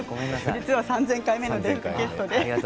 実は３０００回目のゲストで。